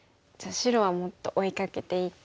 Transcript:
白はもっと追いかけていって。